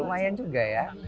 lumayan juga ya